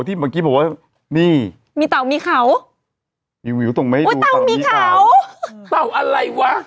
เต่าอะไรวะ